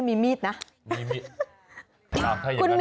ไม่เช้า